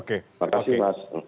terima kasih mas